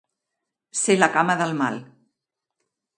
Ser la cama del mal.